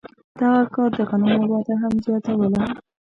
دغه کار د غنمو وده هم زیاتوله.